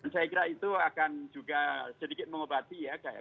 saya kira itu akan juga sedikit mengobati ya